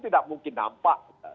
tidak mungkin nampak